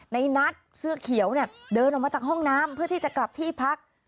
ในนัทเสื้อเขียวเนี่ยเดินออกมาจากห้องน้ำเพื่อที่จะกลับที่พัก